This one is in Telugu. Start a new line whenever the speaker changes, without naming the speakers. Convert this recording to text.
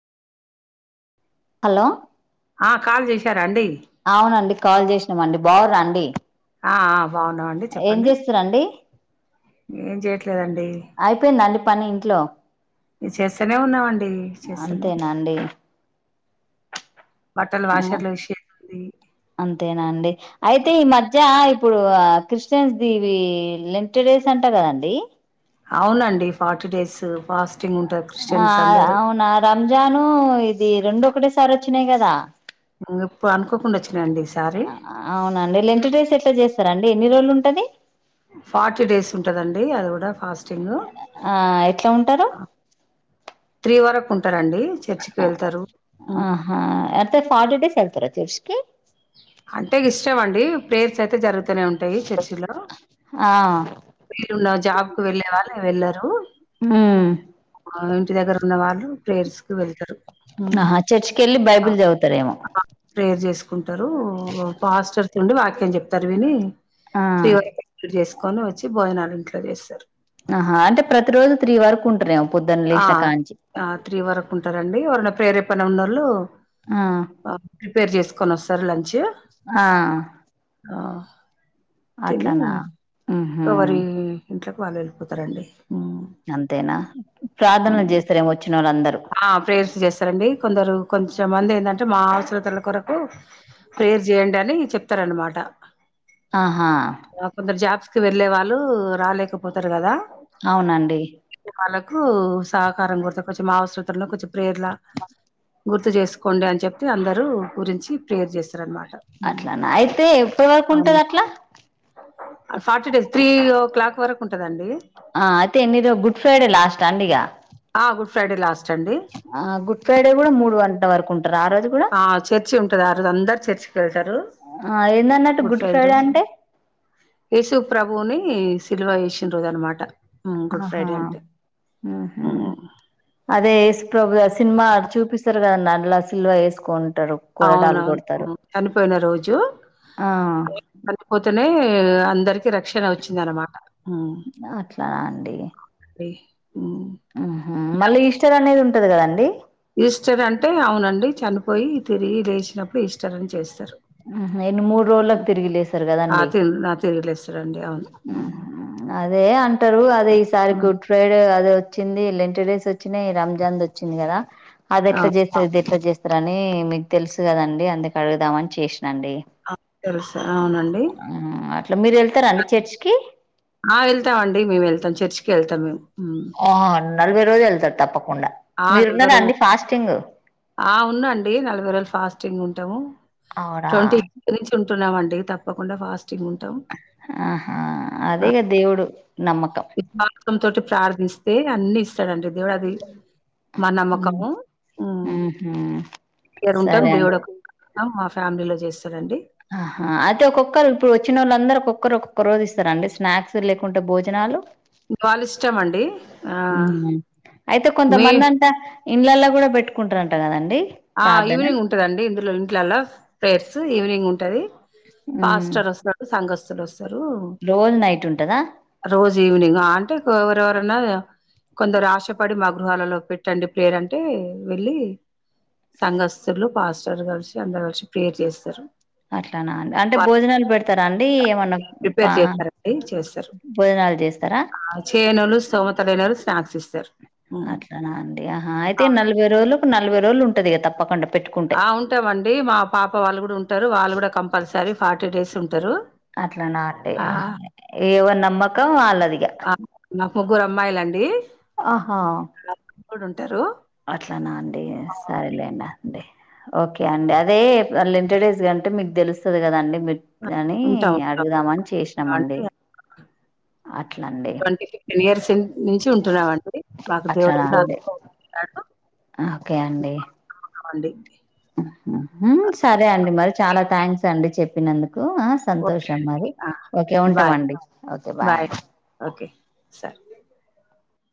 హలో
ఆ కాల్ చేశారాండి
అవునండి కాల్ చేసినామండి బాగురాండి
ఆ ఆ బాగున్నామండి చెప్పండి
చేస్తురండి
ఏం చేయట్లేదండి
అయిపోయిందండి పని ఇంట్లో
చేస్తానే ఉన్నామండి చేస్తానే
అంతేనా అండి
బట్టలు
ఆ
వాషర్ లో విషేదిఉంది
అంతేనా అండి అయితే ఈ మధ్య ఇప్పుడు ఆ క్రిస్టియన్స్ దివి లెంట్ డేస్ అంటా కదండి
అవునండి ఫార్టీ డేస్ ఫాస్ట్
ఆ ఆ అవునా రంజాను ఇది రెండు ఒకటే సారే వచ్చినయి కదా
ఉమ్ ఇప్పుడు అనుకోకుండా వచ్
ఆ అవునండి లెంట్ డేస్ ఎట్లా చేస్ స్తారు అండి ఎన్ని రోజులు ఉంటది
ఫార్టీ డేస్ ఉంటదండి అది కూడా ఫాస్ట్
ఆ ఎట్లా ఉంటారు
కుంటారండి
ఆ ఆహా అట్ ఫార్టీ డేస్ వెళ్తార చేర్చ్కి
అంటే ఇష్టంమండి ప్రేయర్స్ అయితే జరుగుత్
ఆ
వెళ్ళారు
ఉమ్
ఆ ఇంటి దగ్గర ఉన్న వాళ్ళు ప్లేయర్స్ కి వెళ్తారు ఉమ్.
ఆహా చేర్చి కెళ్ళి బైబిల్ చదువుతార్ ఏమో
ళ్తారు పాస్టర్ ఉండి వాక్యం చెప్తారు విని
ఆ,
శివకే జేష్ వకొని వచ్చి భోజనాలు ఇంట్లో చేస్తారు.
ఆహా అంటే ప్రతి రోజు త్రీ వరకు ఉంటునేం
ఆ ఆ త్రీ వరకు ఉంటారండి. ఎవరిన ప్రేరే పని ఉన్నళ్ళు
ఆ,
అ ప్రిపేర్ చేసుకు కొనొస్తారి లంచ్కి
ఆ
ఆ తిని
అట్లానా ఉహుం,
ఒకవరి ఇంట్లోకి వాళ్ళు వెళ్ళిపోతారండి ఉ
అంతేనా ప్రార్థనలు చేస్తారేమో వచ్చిన వాళ్ళందరూ
ఆ ప్రేర్ చేస్తారండి కొందరు కొంచెమంది ఏందంటే మా అవసరతల కొరకు ప్రేయర్ చేయండి. అని చెప్తారనమాట.
ఆహా
కాపోతే జాబ్స్ వెళ్ళే వాళ్ళు రాలేకపోతారు కదా
అవునండి.
వాళ్ళకు సహకారం గుర్తుకొచ్ మాస తలో కొంచెం ప్రేర్లా గుర్తు చేసుకోండి అని చెప్పి అందరు గురించి ప్రేయర్ చేస్తారనమాట్
అట్ల నా అయితే ఎప్పటి వరకు ఉంటది అట్లా
forty days three o'clock వరకు ఉంటదండి
ఆ అయితే ఎన్నిరు గుడ్ ఫ్రైడే లాస్ తండిగా
ఫెరి లాస్
ఆ గుడ్ ఫ్రైడే కూడా మూడు గంట వరకు ఉంటారు ఆ రోజ్
ఆ చర్చి ఉంటది. ఆ రోజు అందరు చర్చికి వెళ్తారు.
ఆ, ఏందన్నట్టు
గుడ్ ఫ్రైడే రోజు
అంటే
ఈసు ప్రభువుని సిల్వ చేేసిన రోజు అనమాట. గుడ్
ఆహా
ఫ్రైడే అంటే
ఉహుమ్
హ్మ్.
అదేస్ పొగస్ సినిమా చూపిస్తారు కదానాన్ అలా సిల్వర్ వేసుకోన్
అవునవునువు చనిపోయిన రోజు
ఆ
చనిపోతేనే అందరికి రక్షణ వచ్చింది అనమాట ఆ
అట్లానా అండి మళ్ళీ ఈస్టర్ అనేది ఉంటది కదండి
ఈస్టర్ అంటే అవునండి చనిపోయి తిరిగి లేచినప్పుడు ఈస్టర్ అని చేస్తారు
నేన్ని మూడు రోజులలకు తిరిగి లేసారు కదం
ఆ తిరు ఆ తిరిగిలేస్తారండి అవును
అదే అంటారు అదే ఈసారి గుడ్ ఫ్రైడే అదే వచ్చింది లెన్ట్ డేస్ వచ్చినాయి రాంజాంద్ వచ్చింది కదా అది ఎట్లా చేస్తుంది ఇది ఎట్లా చేస్తుంది ని మీకు తెలుసు కదండి అందుకు అడుగుదామ అని చేసి డి
తెలుసా అవునండి
అట్లా మీరు వెళ్తారండి
ఆ వెల్తా అండి మేము వెళ్తా చచచ్రీ వెళ్తాం మేము ఉమ్.
హా నలభే రజ వెళ్తారు తప్పకు
ఆ నలభై రజలు ఆ ఉందండి నలభై రేజులు ఫాస్టింగ్ ఉంటు త్త
అవునా?
ట్వంటీ ఫ నుంచి ఉంటున్నామ అండి తప్పకుండా ఫాస్ట్ ఉంటావు
అదే క దేవుడు నమ్మకం.
విద్వాసం తోటి ప్రార్థిస్తే అన్ని ఇస్తాడండి దేవుడా అది మా
హ్మ్.
నమ్మకంరు
హుహు.
ఉంటాం
సరే అండి.
దేవుడు ఫ్యామిలీలో చేస్త
ఆహా అయితే ఒక్కొక్కరు ఇప్పుడు వచ్చిన వాళ్ళ అందరూ ఒక్కొక్క ఒక్కరుొక్క రోజు ఇస్తారండి స్నాక్స్ లేకుంటే భోజనాలు
వాళ్ళ ఇష్టమ అండి ఆ
హ్మ్.
మీ
ఇండ్లల్లో కూడా పెట్టుకుంటుారంట కదండి
ఆ ఈవినింగ్ ఉంటుదండి ఇందులో ఇంట్లోలా ఫేర్స్ ఈవినింగ్ ఉంటు అంటది
హ్మ్.
ఫస్టర్న్రు సస్త సస్ రు
రోజు నైట్ ఉంటదా?
రోజు ఈవినింగ్ అంటే ఎవరెవరనా కొందరు ఆశపడి మా గృహాలలో పెట్టండి పేర్ అంటే వెళ్ళి సంఘస్స్తులు పాస్టర్ కలిసి అందరు కలిసి ప్రేయర్ చేస్తారు
అట్లానా అండి అంటే
వాళ్ళ
భోజనాలు పెడతారా అండి ఏమన్నా
ప్రిపేర్
పా
చేస్తారండి చేస్తారు
భోజనాలు చేస్తారా
ఆ, చేయనోళ్ళు స్తోమత లేనోళ్ళు స్నాక్స్ ఇస్తారు ఉమ్
అట్లానా అండి ఆహా అయితే
ఆ
నలభై రోలు నలభై రోజులుంటంది క తప్పకుండా
ఆ ఉంటావండి మా పాప వాళ్ళ కూడా ఉంట వాళ్ళు కూడా కంపల్సరీ ఫార్టీ ర్టీ డేస్ ఉంటారు
అట్లా నా అండి
ఆ
ఏవ నమ్మకం వాళ్ళది
అ మాకు ముగ్గురు అమ్మాయిలండి
ఆహా
ఉడి
అట్లానా అండి సరేలేనా అండి ఓకే అండి అదే లెండి డేస్ అంటే మీ తెలుస్తుంది కదాండి మీరు అని
ఉంటాం ఉంటాం
అడుగుదామని చేసినామండి
ఉంటామండి
అట్లా అండి
ట్వంటీ ఫిఫ్టీన్ ఇయర్స్ నుంచి ఉంటున్నామండి మాకు
అట్లా
దేవుడు ఉన్నాడు
అడి ఓకే అండి
అవుండి
సరే అండి మరి చాలా థ్యాంక్స్ అండి చెప్ప పిన
ఓకే
సంతోషం మరి
అండి ఆ!
ఓకే
బాయ్
ఉంటామండి ఓకే బాయ్
ఓకే సరే